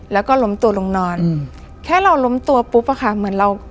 แล้วก็ล้มตัวลงนอนอืมแค่เราล้มตัวปุ๊บอะค่ะเหมือนเรา